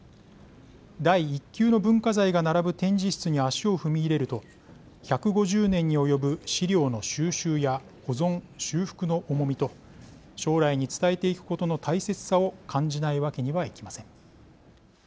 第１級の文化財が並ぶ展示室に足を踏み入れると１５０年に及ぶ資料の収集や保存・修復の重みと将来に伝えていくことの大切さを感じないわけにはいきません。